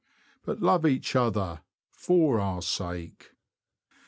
But love each other for our sake.